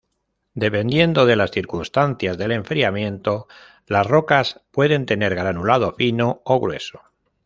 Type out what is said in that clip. Dependiendo de las circunstancias del enfriamiento, las rocas pueden tener granulado fino o grueso.